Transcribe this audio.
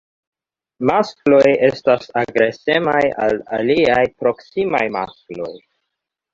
Maskloj estas agresemaj al aliaj proksimaj maskloj.